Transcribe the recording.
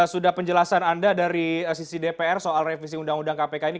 sudah penjelasan anda dari sisi dpr soal revisi undang undang kpk ini